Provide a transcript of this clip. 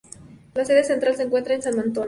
La sede central se encuentra en San Antonio.